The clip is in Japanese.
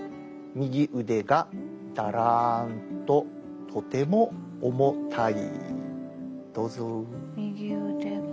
「右腕がだらんととても重たい」。